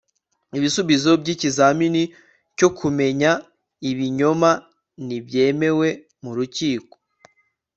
ibisubizo by'ikizamini cyo kumenya ibinyoma ntibyemewe mu rukiko